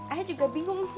ayah juga bingung